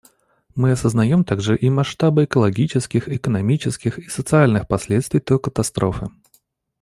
Мы осознаем также и масштабы экологических, экономических и социальных последствий той катастрофы.